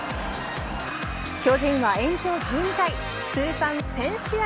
巨人は延長１２回通算１０００試合